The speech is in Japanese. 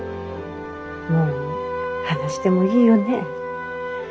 もう話してもいいよね。